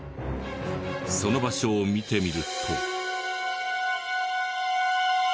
その場所を見てみると。